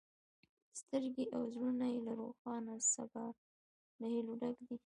سترګې او زړونه یې له روښانه سبا له هیلو ډک دي.